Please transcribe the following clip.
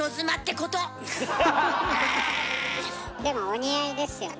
でもお似合いですよね。